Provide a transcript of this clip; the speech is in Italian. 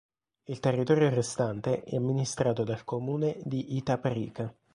Il territorio restante è amministrato dal comune di Itaparica.